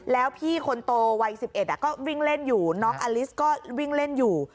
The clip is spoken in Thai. แล้วพี่คนโตวัย๑๑ก็วิ่งเล่นอยู่น้องอลิสก็วิ่งเล่นอยู่